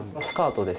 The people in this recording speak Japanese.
スカート。